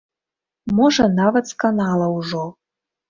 Можа нават сканала ўжо.